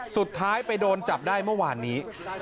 สุดท้ายไปโดนจับได้เมื่อวานนี้